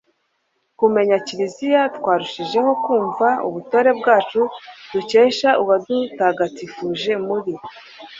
kumenya kiliziya twarushijeho kumva ubutore bwacu dukesha uwadutagatifuje muri